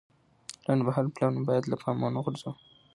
لنډمهاله پلانونه باید له پامه ونه غورځوو.